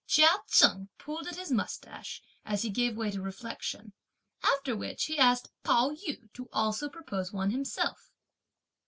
'" Chia Chen pulled at his moustache, as he gave way to reflection; after which, he asked Pao yü to also propose one himself.